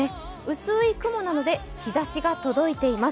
薄い雲なので日ざしが届いています。